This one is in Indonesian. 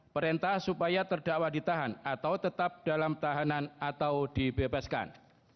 perintah supaya terdakwa ditahan atau tetap dalam tahanan atau dibebaskan